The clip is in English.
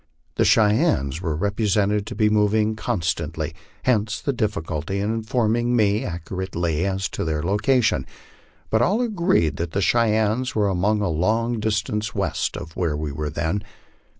The Cheyennes were represented to be moving constantly, hence the difficulty in informing me accurately as to their location ; but all agreed that the Cheyennes were a long distance west of where we then were.